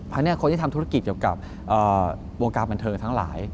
เพราะฉะนั้นคนที่ทำธุรกิจเกี่ยวกับวงการบันเทิงทั้งหลาย